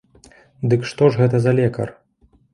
Дык што ж гэта за лекар?